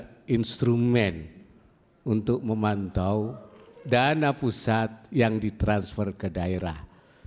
kita harus memiliki instrumen untuk memantau dana pusat yang ditransfer ke daerah